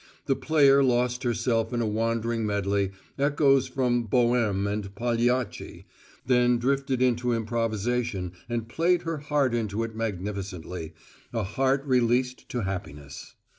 The player lost herself in a wandering medley, echoes from "Boheme" and "Pagliacci"; then drifted into improvisation and played her heart into it magnificently a heart released to happiness.